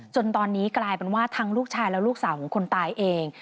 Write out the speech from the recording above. จนตอนนี้กลายเป็นว่าทั้งลูกชายและลูกสาวของคนตายเอง